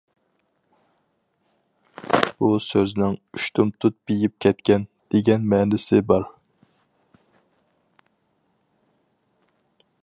بۇ سۆزنىڭ «ئۇشتۇمتۇت بېيىپ كەتكەن» دېگەن مەنىسى بار.